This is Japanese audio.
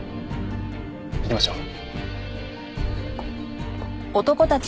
行きましょう。